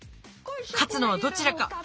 かつのはどちらか？